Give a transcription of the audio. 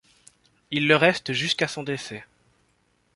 Il le reste jusqu'à son décès.